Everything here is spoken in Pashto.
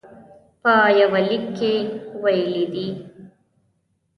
په یوه لیک کې ویلي دي.